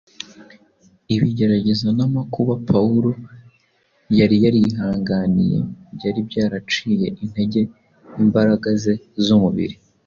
Ibigeragezo n’amakuba Pawulo yari yarihanganiye byari byaraciye intege imbaraga ze z’umubiri